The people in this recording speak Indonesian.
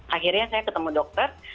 akhirnya saya ketemu dokter